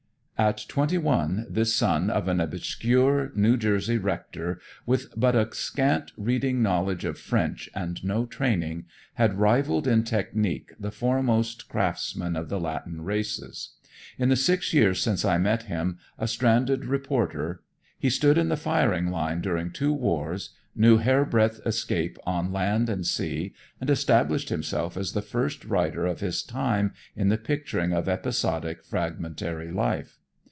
At twenty one this son of an obscure New Jersey rector, with but a scant reading knowledge of French and no training, had rivaled in technique the foremost craftsmen of the Latin races. In the six years since I met him, a stranded reporter, he stood in the firing line during two wars, knew hairbreadth 'scapes on land and sea, and established himself as the first writer of his time in the picturing of episodic, fragmentary life.